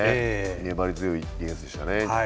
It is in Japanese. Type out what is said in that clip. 粘り強いディフェンスでしたね。